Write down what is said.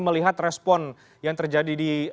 melihat respon yang terjadi di